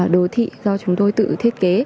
đồ thị do chúng tôi tự thiết kế